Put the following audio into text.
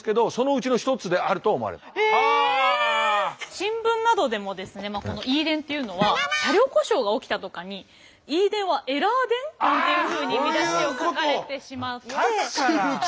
新聞などでもですねＥ電っていうのは車両故障が起きたとかに「Ｅ電はエラー電？！」というふうに見出しを書かれてしまって。